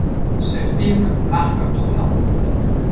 Ce film marque un tournant.